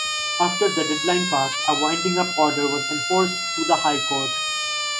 After the deadline passed, a winding up order was enforced through the High Court.